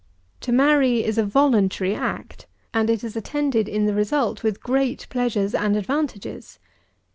To marry is a voluntary act, and it is attended in the result with great pleasures and advantages.